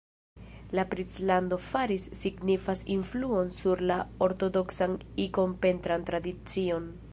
La princlando faris signifan influon sur la ortodoksan ikon-pentran tradicion.